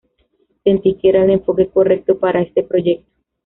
Sentí que era el enfoque correcto para este proyecto.